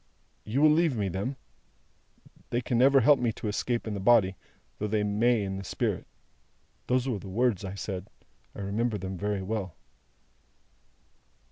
'You will leave me them? They can never help me to escape in the body, though they may in the spirit.' Those were the words I said. I remember them very well."